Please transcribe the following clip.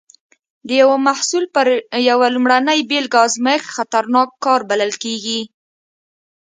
د یو محصول پر یوه لومړنۍ بېلګه ازمېښت خطرناک کار بلل کېږي.